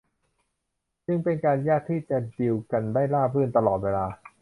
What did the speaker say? จึงเป็นการยากที่จะดีลกันได้ราบรื่นตลอดเวลา